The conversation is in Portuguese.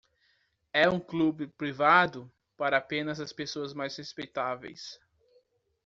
É um clube privado? para apenas as pessoas mais respeitáveis.